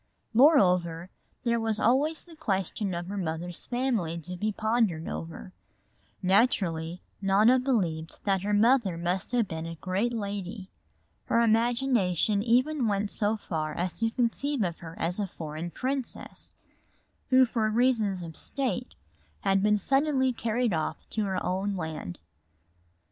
Moreover, there was always the question of her mother's family to be pondered over. Naturally Nona believed that her mother must have been a great lady. Her imagination even went so far as to conceive of her as a foreign princess, who for reasons of state had been suddenly carried off to her own land.